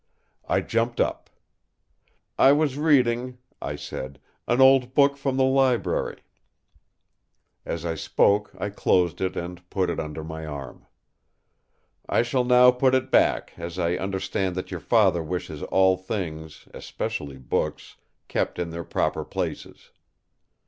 I jumped up. "I was reading," I said, "an old book from the library." As I spoke I closed it and put it under my arm. "I shall now put it back, as I understand that your Father wishes all things, especially books, kept in their proper places."